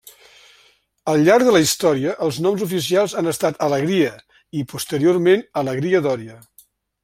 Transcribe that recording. Al llarg de la història els noms oficials han estat Alegria i posteriorment, Alegria d'Oria.